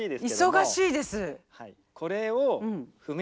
忙しいです。